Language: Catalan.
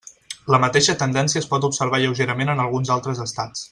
La mateixa tendència es pot observar lleugerament en alguns altres estats.